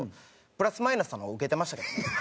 プラス・マイナスさんの方がウケてましたけどね。